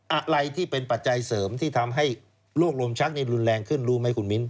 อะไรที่เป็นปัจจัยเสริมที่ทำให้โรคลมชักรุนแรงขึ้นรู้ไหมคุณมิ้น